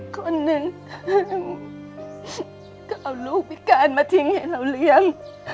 คนหนึ่งก็เอาลูกพิการมาทิ้งให้เราเลี้ยง